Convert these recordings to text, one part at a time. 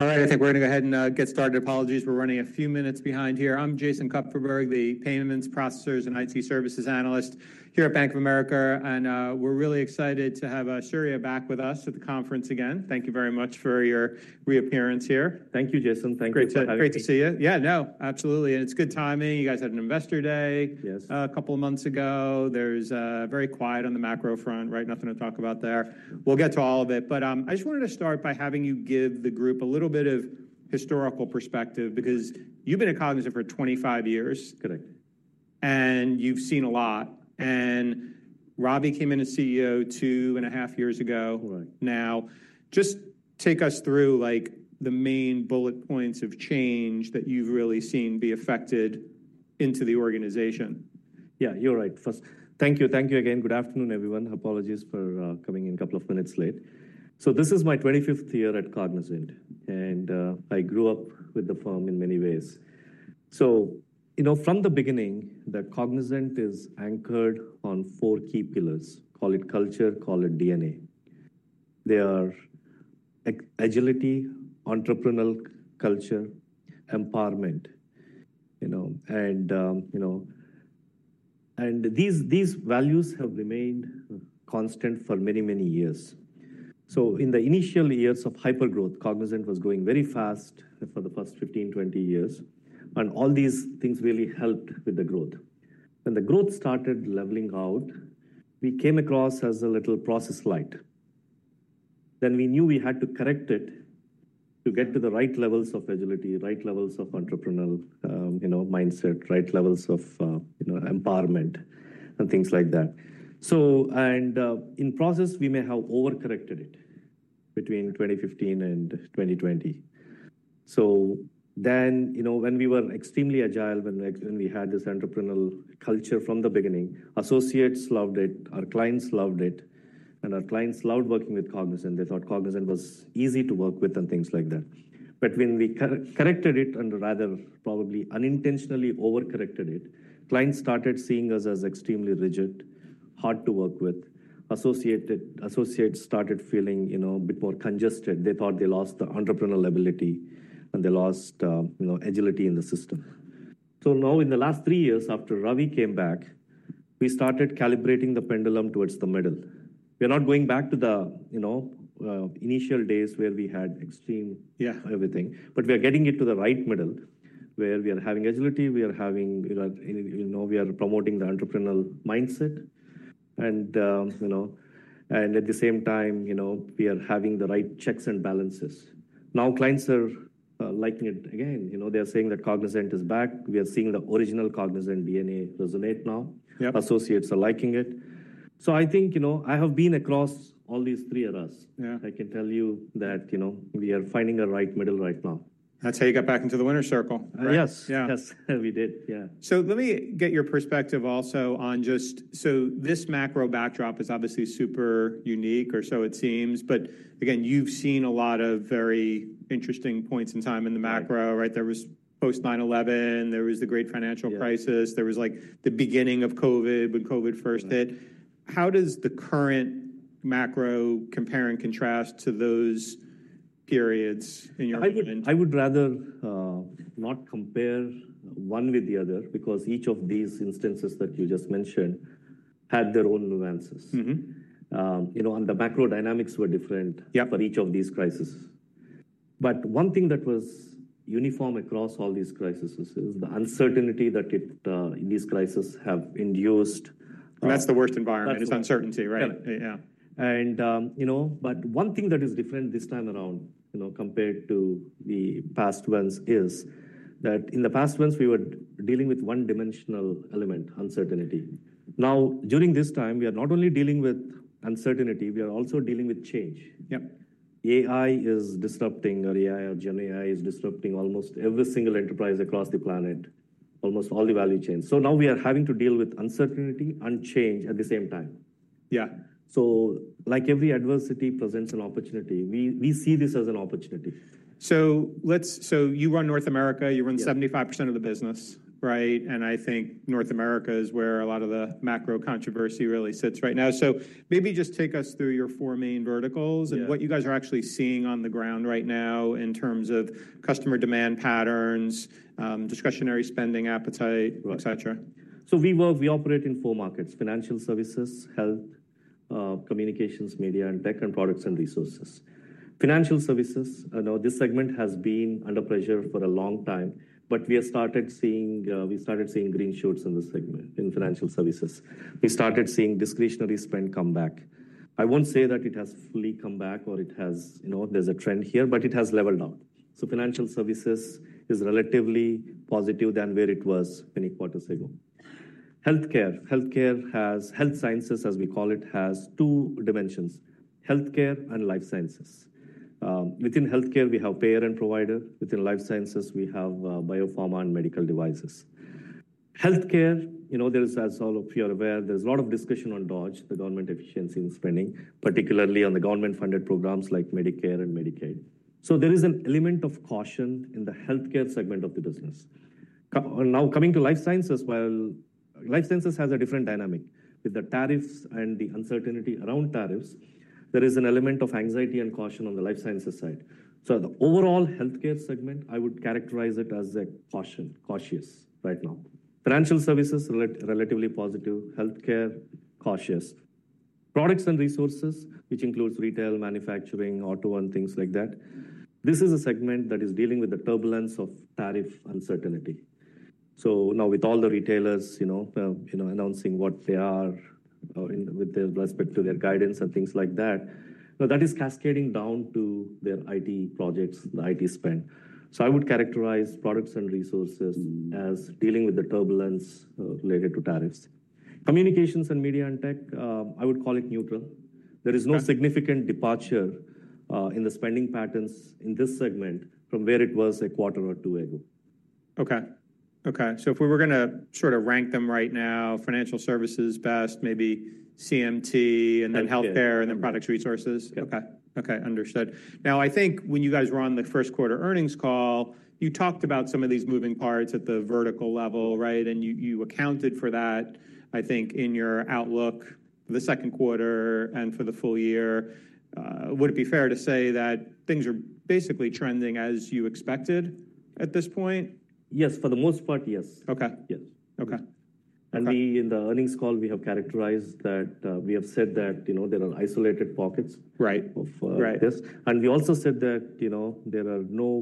All right, I think we're going to go ahead and get started. Apologies, we're running a few minutes behind here. I'm Jason Kupferberg, the Payments Processors and IT Services Analyst here at Bank of America, and we're really excited to have Surya back with us at the conference again. Thank you very much for your reappearance here. Thank you, Jason. Thank you for having me. Great to see you. Yeah, no, absolutely. It's good timing. You guys had an Investor Day a couple of months ago. There's very quiet on the macro front, right? Nothing to talk about there. We'll get to all of it. I just wanted to start by having you give the group a little bit of historical perspective because you've been at Cognizant for 25 years. Correct. You have seen a lot. Ravi came in as CEO two and a half years ago. Now, just take us through the main bullet points of change that you have really seen be effected into the organization. Yeah, you're right. Thank you. Thank you again. Good afternoon, everyone. Apologies for coming in a couple of minutes late. This is my 25th year at Cognizant, and I grew up with the firm in many ways. From the beginning, Cognizant is anchored on four key pillars. Call it culture, call it DNA. They are agility, entrepreneurial culture, empowerment. These values have remained constant for many, many years. In the initial years of hypergrowth, Cognizant was going very fast for the first 15-20 years. All these things really helped with the growth. When the growth started leveling out, we came across as a little process light. We knew we had to correct it to get to the right levels of agility, right levels of entrepreneurial mindset, right levels of empowerment, and things like that. In process, we may have overcorrected it between 2015 and 2020. When we were extremely agile, when we had this entrepreneurial culture from the beginning, associates loved it, our clients loved it, and our clients loved working with Cognizant. They thought Cognizant was easy to work with and things like that. When we corrected it and rather probably unintentionally overcorrected it, clients started seeing us as extremely rigid, hard to work with. Associates started feeling a bit more congested. They thought they lost the entrepreneurial ability, and they lost agility in the system. Now, in the last three years, after Ravi came back, we started calibrating the pendulum towards the middle. We are not going back to the initial days where we had extreme everything, but we are getting it to the right middle where we are having agility, we are promoting the entrepreneurial mindset, and at the same time, we are having the right checks and balances. Now clients are liking it again. They are saying that Cognizant is back. We are seeing the original Cognizant DNA resonate now. Associates are liking it. I think I have been across all these three eras. I can tell you that we are finding a right middle right now. That's how you got back into the winner's circle, right? Yes. Yes, we did. Yeah. Let me get your perspective also on just, this macro backdrop is obviously super unique, or so it seems. Again, you've seen a lot of very interesting points in time in the macro, right? There was post-9/11, there was the great financial crisis, there was the beginning of COVID when COVID first hit. How does the current macro compare and contrast to those periods in your opinion? I would rather not compare one with the other because each of these instances that you just mentioned had their own nuances. The macro dynamics were different for each of these crises. One thing that was uniform across all these crises is the uncertainty that these crises have induced. That's the worst environment. It's uncertainty, right? Yeah. One thing that is different this time around compared to the past ones is that in the past ones, we were dealing with one-dimensional element, uncertainty. Now, during this time, we are not only dealing with uncertainty, we are also dealing with change. AI is disrupting, or AI or Gen AI is disrupting almost every single enterprise across the planet, almost all the value chains. Now we are having to deal with uncertainty and change at the same time. Like every adversity presents an opportunity, we see this as an opportunity. You run North America. You run 75% of the business, right? I think North America is where a lot of the macro controversy really sits right now. Maybe just take us through your four main verticals and what you guys are actually seeing on the ground right now in terms of customer demand patterns, discretionary spending appetite, et cetera. We operate in four markets: financial services, health, communications, media and tech, and products and resources. Financial services, this segment has been under pressure for a long time, but we started seeing green shoots in the segment in financial services. We started seeing discretionary spend come back. I won't say that it has fully come back or there's a trend here, but it has leveled out. Financial services is relatively positive than where it was many quarters ago. Health care, health sciences, as we call it, has two dimensions: health care and life sciences. Within health care, we have payer and provider. Within life sciences, we have biopharma and medical devices. Health care, as all of you are aware, there's a lot of discussion on DOJ, the government efficiency and spending, particularly on the government-funded programs like Medicare and Medicaid. There is an element of caution in the health care segment of the business. Coming to life sciences, life sciences has a different dynamic. With the tariffs and the uncertainty around tariffs, there is an element of anxiety and caution on the life sciences side. The overall health care segment, I would characterize it as cautious right now. Financial services, relatively positive. Health care, cautious. Products and resources, which includes retail, manufacturing, auto, and things like that, this is a segment that is dealing with the turbulence of tariff uncertainty. Now, with all the retailers announcing what they are with respect to their guidance and things like that, that is cascading down to their IT projects, the IT spend. I would characterize products and resources as dealing with the turbulence related to tariffs. Communications and media and tech, I would call it neutral. There is no significant departure in the spending patterns in this segment from where it was a quarter or two ago. Okay. Okay. So if we were going to sort of rank them right now, financial services best, maybe CMT, and then health care, and then products resources. Okay. Okay. Understood. Now, I think when you guys were on the first quarter earnings call, you talked about some of these moving parts at the vertical level, right? And you accounted for that, I think, in your outlook for the second quarter and for the full year. Would it be fair to say that things are basically trending as you expected at this point? Yes, for the most part, yes. Yes. In the earnings call, we have characterized that. We have said that there are isolated pockets of this. We also said that we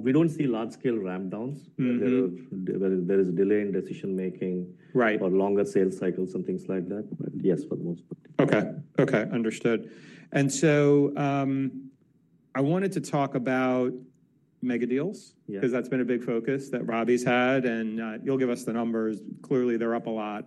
do not see large-scale ramp-downs. There is delay in decision-making or longer sales cycles and things like that. Yes, for the most part. Okay. Okay. Understood. I wanted to talk about mega deals because that's been a big focus that Ravi's had. You'll give us the numbers. Clearly, they're up a lot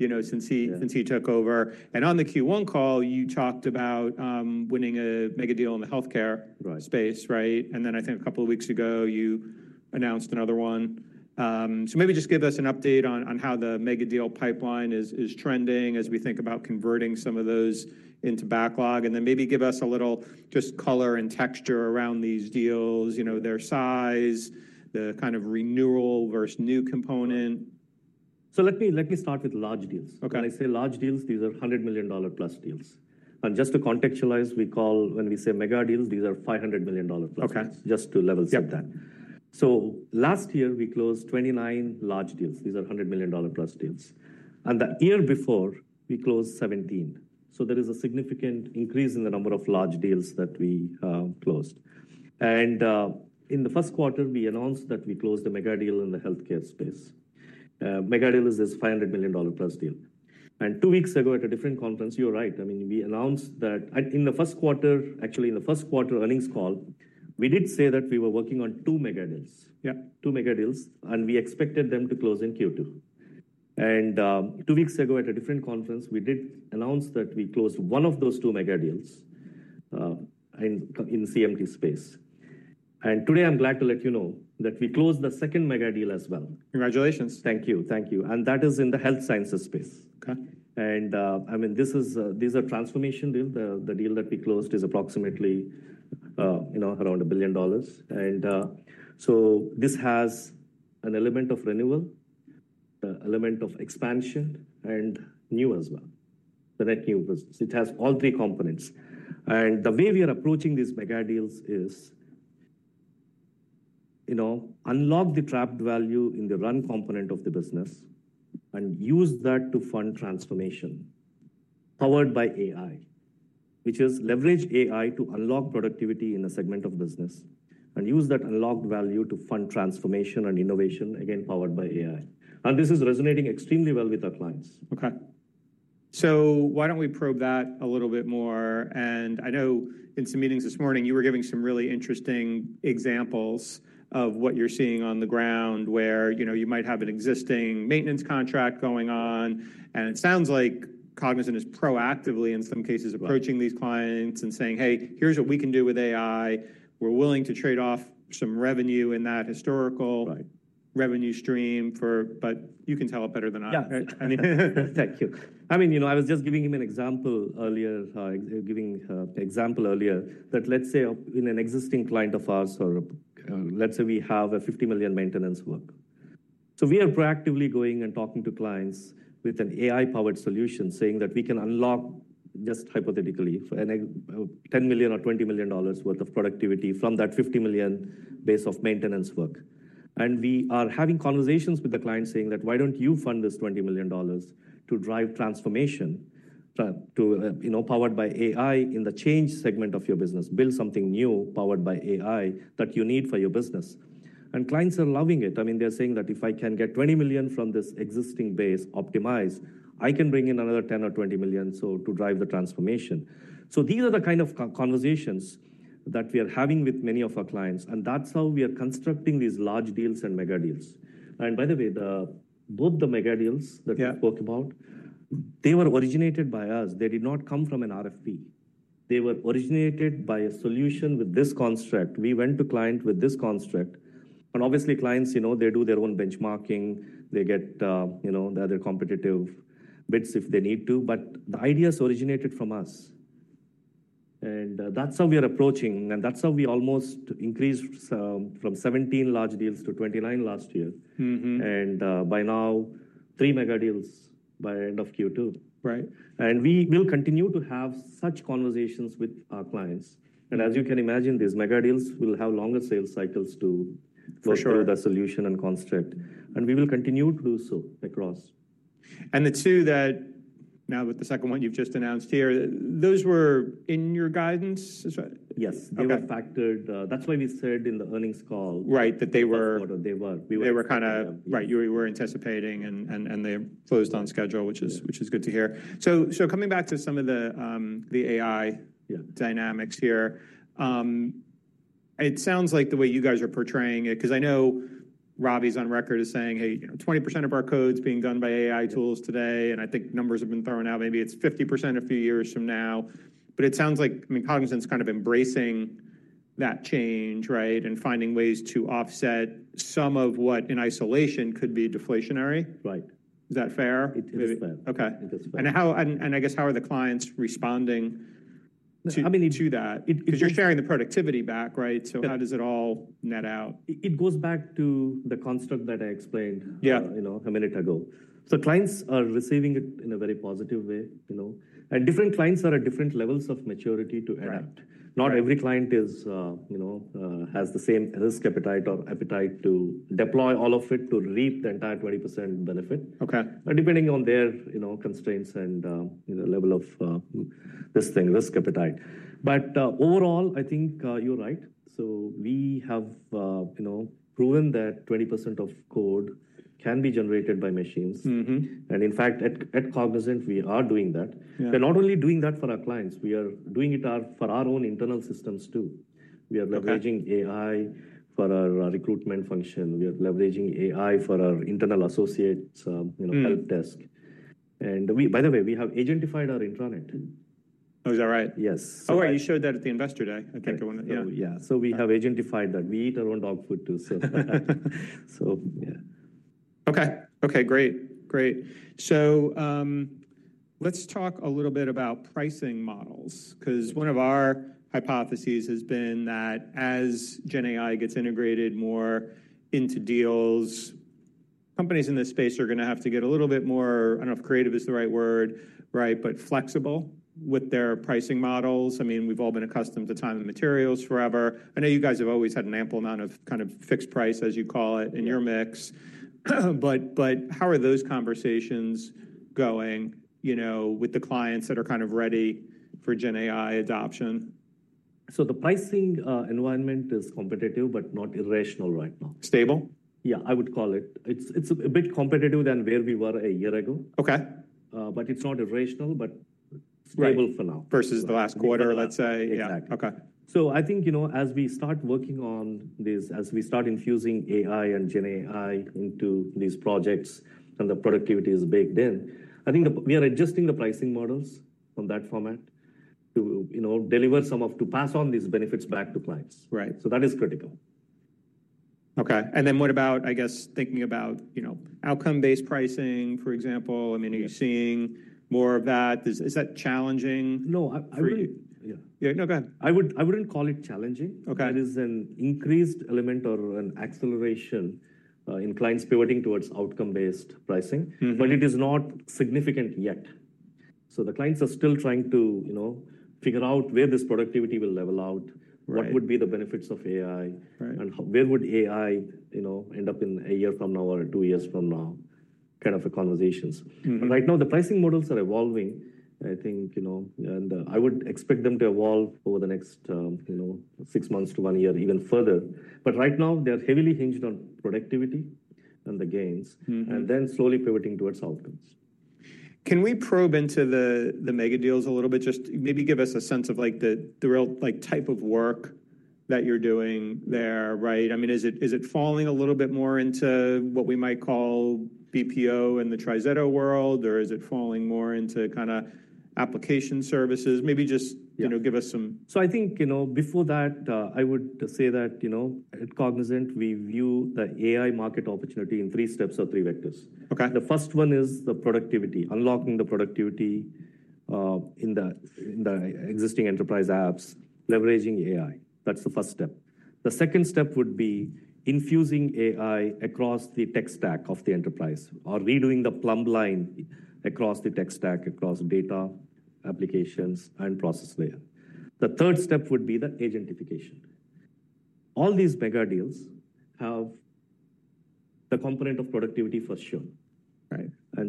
since he took over. On the Q1 call, you talked about winning a mega deal in the health care space, right? I think a couple of weeks ago, you announced another one. Maybe just give us an update on how the mega deal pipeline is trending as we think about converting some of those into backlog. Maybe give us a little just color and texture around these deals, their size, the kind of renewal versus new component. Let me start with large deals. When I say large deals, these are $100 million-plus deals. Just to contextualize, when we say mega deals, these are $500 million-plus. Just to level set that. Last year, we closed 29 large deals. These are $100 million-plus deals. The year before, we closed 17. There is a significant increase in the number of large deals that we closed. In the first quarter, we announced that we closed a mega deal in the health care space. Mega deal is this $500 million-plus deal. Two weeks ago, at a different conference, you're right. I mean, we announced that in the first quarter, actually, in the first quarter earnings call, we did say that we were working on two mega deals. Two mega deals. We expected them to close in Q2. Two weeks ago, at a different conference, we did announce that we closed one of those two mega deals in the CMT space. Today, I'm glad to let you know that we closed the second mega deal as well. Congratulations. Thank you. Thank you. That is in the health sciences space. I mean, these are transformation deals. The deal that we closed is approximately around $1 billion. This has an element of renewal, the element of expansion, and new as well. The net new business. It has all three components. The way we are approaching these mega deals is unlock the trapped value in the run component of the business and use that to fund transformation powered by AI, which is leverage AI to unlock productivity in a segment of business and use that unlocked value to fund transformation and innovation, again, powered by AI. This is resonating extremely well with our clients. Okay. Why don't we probe that a little bit more? I know in some meetings this morning, you were giving some really interesting examples of what you're seeing on the ground where you might have an existing maintenance contract going on. It sounds like Cognizant is proactively, in some cases, approaching these clients and saying, "Hey, here's what we can do with AI. We're willing to trade off some revenue in that historical revenue stream, but you can tell it better than us. Thank you. I mean, I was just giving him an example earlier, that let's say in an existing client of ours, or let's say we have a $50 million maintenance work. We are proactively going and talking to clients with an AI-powered solution, saying that we can unlock, just hypothetically, $10 million or $20 million worth of productivity from that $50 million base of maintenance work. We are having conversations with the client saying that, "Why don't you fund this $20 million to drive transformation powered by AI in the change segment of your business? Build something new powered by AI that you need for your business." Clients are loving it. I mean, they're saying that if I can get $20 million from this existing base optimized, I can bring in another $10 million or $20 million to drive the transformation. These are the kind of conversations that we are having with many of our clients. That is how we are constructing these large deals and mega deals. By the way, both the mega deals that you spoke about, they were originated by us. They did not come from an RFP. They were originated by a solution with this construct. We went to client with this construct. Obviously, clients, they do their own benchmarking. They get their competitive bids if they need to. The ideas originated from us. That is how we are approaching. That is how we almost increased from 17 large deals to 29 last year. By now, three mega deals by end of Q2. We will continue to have such conversations with our clients. As you can imagine, these mega deals will have longer sales cycles to go through the solution and construct. We will continue to do so across. The two that now, with the second one you've just announced here, those were in your guidance? Yes. They were factored. That's why we said in the earnings call. Right, that they were. They were. They were kind of, right, you were anticipating, and they closed on schedule, which is good to hear. Coming back to some of the AI dynamics here, it sounds like the way you guys are portraying it, because I know Ravi's on record as saying, "Hey, 20% of our code is being done by AI tools today." I think numbers have been thrown out. Maybe it's 50% a few years from now. It sounds like Cognizant's kind of embracing that change, right, and finding ways to offset some of what in isolation could be deflationary. Is that fair? It is fair. Okay. I guess, how are the clients responding to that? Because you're sharing the productivity back, right? How does it all net out? It goes back to the construct that I explained a minute ago. Clients are receiving it in a very positive way. Different clients are at different levels of maturity to adapt. Not every client has the same risk appetite or appetite to deploy all of it to reap the entire 20% benefit, depending on their constraints and level of this thing, risk appetite. Overall, I think you're right. We have proven that 20% of code can be generated by machines. In fact, at Cognizant, we are doing that. We're not only doing that for our clients. We are doing it for our own internal systems too. We are leveraging AI for our recruitment function. We are leveraging AI for our internal associates' help desk. By the way, we have agentified our intranet. Oh, is that right? Yes. Oh, wait, you showed that at the investor day. I think I wanted to. Yeah. So we have agentified that. We eat our own dog food too, so. Okay. Okay. Great. Great. Let's talk a little bit about pricing models, because one of our hypotheses has been that as GenAI gets integrated more into deals, companies in this space are going to have to get a little bit more, I don't know if creative is the right word, right, but flexible with their pricing models. I mean, we've all been accustomed to time and materials forever. I know you guys have always had an ample amount of kind of fixed price, as you call it, in your mix. How are those conversations going with the clients that are kind of ready for GenAI adoption? The pricing environment is competitive but not irrational right now. Stable? Yeah, I would call it. It's a bit competitive than where we were a year ago. It's not irrational, but stable for now. Versus the last quarter, let's say. Exactly. Okay. I think as we start working on this, as we start infusing AI and GenAI into these projects and the productivity is baked in, I think we are adjusting the pricing models on that format to deliver some of, to pass on these benefits back to clients. That is critical. Okay. And then what about, I guess, thinking about outcome-based pricing, for example? I mean, are you seeing more of that? Is that challenging? No, I really. Yeah. No, go ahead. I wouldn't call it challenging. That is an increased element or an acceleration in clients pivoting towards outcome-based pricing. It is not significant yet. The clients are still trying to figure out where this productivity will level out, what would be the benefits of AI, and where would AI end up in a year from now or two years from now, kind of conversations. Right now, the pricing models are evolving, I think. I would expect them to evolve over the next six months to one year even further. Right now, they are heavily hinged on productivity and the gains, and then slowly pivoting towards outcomes. Can we probe into the mega deals a little bit? Just maybe give us a sense of the real type of work that you're doing there, right? I mean, is it falling a little bit more into what we might call BPO in the TriZetto world, or is it falling more into kind of application services? Maybe just give us some. I think before that, I would say that at Cognizant, we view the AI market opportunity in three steps or three vectors. The first one is the productivity, unlocking the productivity in the existing enterprise apps, leveraging AI. That is the first step. The second step would be infusing AI across the tech stack of the enterprise or redoing the plumbline across the tech stack, across data applications and process layer. The third step would be the agentification. All these mega deals have the component of productivity for sure.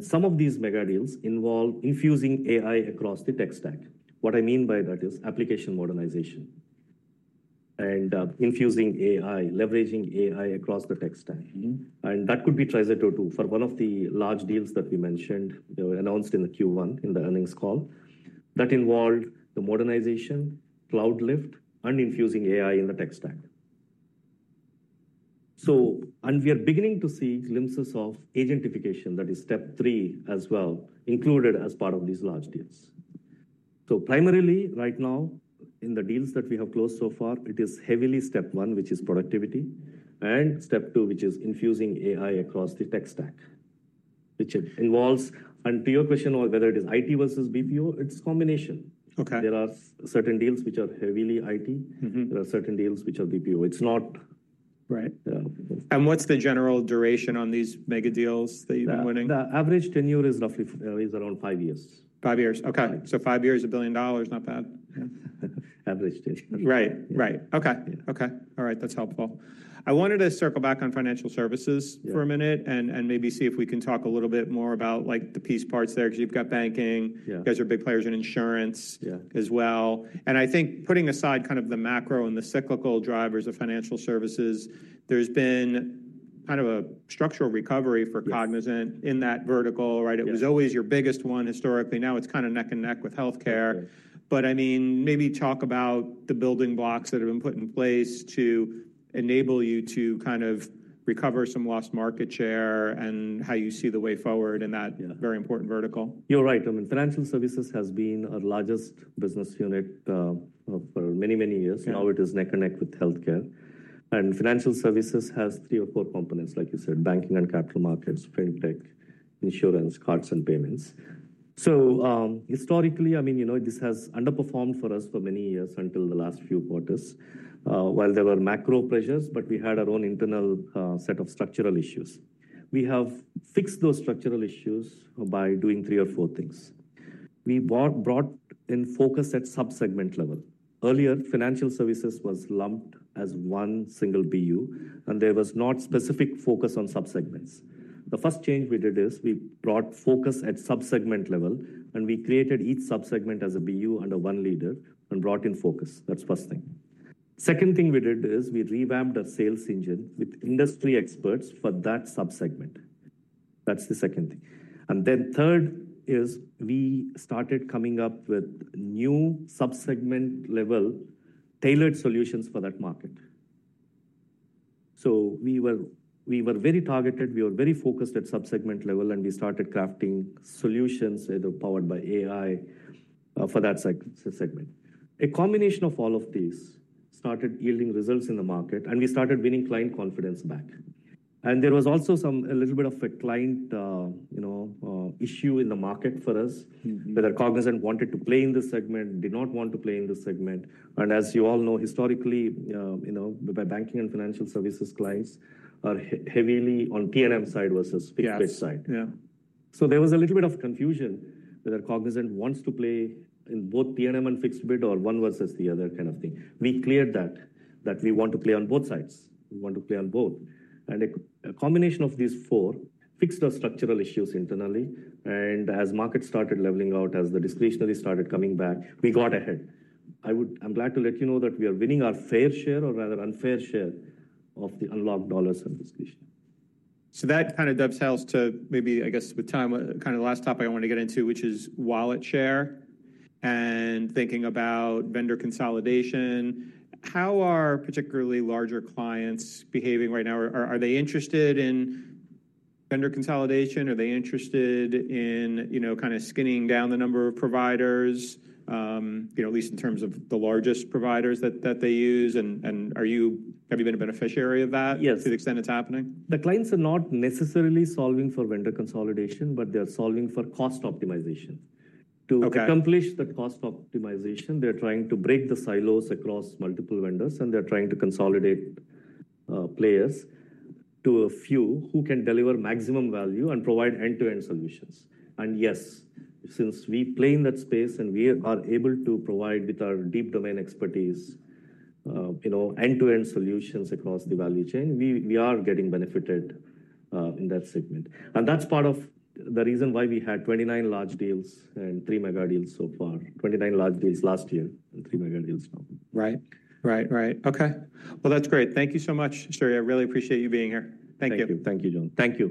Some of these mega deals involve infusing AI across the tech stack. What I mean by that is application modernization and infusing AI, leveraging AI across the tech stack. That could be TriZetto too. For one of the large deals that we mentioned, they were announced in the Q1 in the earnings call, that involved the modernization, cloud lift, and infusing AI in the tech stack. We are beginning to see glimpses of agentification that is step three as well, included as part of these large deals. Primarily, right now, in the deals that we have closed so far, it is heavily step one, which is productivity, and step two, which is infusing AI across the tech stack, which involves, and to your question of whether it is IT versus BPO, it's a combination. There are certain deals which are heavily IT. There are certain deals which are BPO. It's not. What's the general duration on these mega deals that you've been winning? The average tenure is roughly around five years. Five years. Okay. So five years, $1 billion, not bad. Average tenure. Right. Okay. All right. That's helpful. I wanted to circle back on financial services for a minute and maybe see if we can talk a little bit more about the piece parts there, because you've got banking. You guys are big players in insurance as well. I think putting aside kind of the macro and the cyclical drivers of financial services, there's been kind of a structural recovery for Cognizant in that vertical, right? It was always your biggest one historically. Now it's kind of neck and neck with health care. I mean, maybe talk about the building blocks that have been put in place to enable you to kind of recover some lost market share and how you see the way forward in that very important vertical. You're right. I mean, financial services has been our largest business unit for many, many years. Now it is neck and neck with health care. Financial services has three or four components, like you said, banking and capital markets, fintech, insurance, cards, and payments. Historically, I mean, this has underperformed for us for many years until the last few quarters, while there were macro pressures, but we had our own internal set of structural issues. We have fixed those structural issues by doing three or four things. We brought in focus at subsegment level. Earlier, financial services was lumped as one single BU, and there was not specific focus on subsegments. The first change we did is we brought focus at subsegment level, and we created each subsegment as a BU under one leader and brought in focus. That's the first thing. Second thing we did is we revamped our sales engine with industry experts for that subsegment. That's the second thing. Third is we started coming up with new subsegment-level tailored solutions for that market. We were very targeted. We were very focused at subsegment level, and we started crafting solutions either powered by AI for that segment. A combination of all of these started yielding results in the market, and we started winning client confidence back. There was also a little bit of a client issue in the market for us, whether Cognizant wanted to play in this segment, did not want to play in this segment. As you all know, historically, banking and financial services clients are heavily on TNM side versus fixed bid side. There was a little bit of confusion whether Cognizant wants to play in both TNM and fixed bid or one versus the other kind of thing. We cleared that, that we want to play on both sides. We want to play on both. A combination of these four fixed our structural issues internally. As markets started leveling out, as the discretionary started coming back, we got ahead. I'm glad to let you know that we are winning our fair share or rather unfair share of the unlocked dollars and discretionary. That kind of dovetails to maybe, I guess, with time, kind of the last topic I want to get into, which is wallet share and thinking about vendor consolidation. How are particularly larger clients behaving right now? Are they interested in vendor consolidation? Are they interested in kind of skinning down the number of providers, at least in terms of the largest providers that they use? Have you been a beneficiary of that to the extent it's happening? The clients are not necessarily solving for vendor consolidation, but they are solving for cost optimization. To accomplish the cost optimization, they're trying to break the silos across multiple vendors, and they're trying to consolidate players to a few who can deliver maximum value and provide end-to-end solutions. Yes, since we play in that space and we are able to provide with our deep domain expertise end-to-end solutions across the value chain, we are getting benefited in that segment. That's part of the reason why we had 29 large deals and three mega deals so far, 29 large deals last year and three mega deals now. Right. Okay. That's great. Thank you so much, Sri. I really appreciate you being here. Thank you. Thank you. Thank you, John. Thank you.